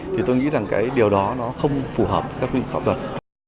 thì tôi nghĩ rằng cái điều đó nó không phù hợp với các hợp đồng